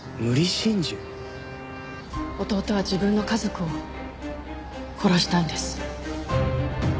弟は自分の家族を殺したんです。